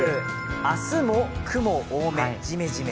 あすも雲多く、ジメジメ。